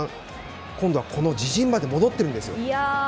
今度は自陣まで戻ってるんですよ。